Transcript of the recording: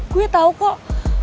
gue tau kok